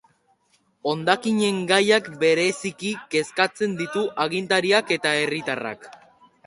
Hondakinen gaiak bereziki kezkatzen ditu agintariak eta herritarrak.